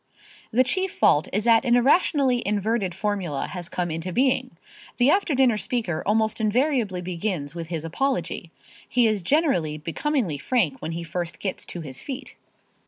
The chief fault is that an irrationally inverted formula has come into being. The after dinner speaker almost invariably begins with his apology. He is generally becomingly frank when he first gets to his feet.